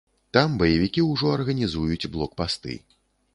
Там баевікі ўжо арганізуюць блокпасты.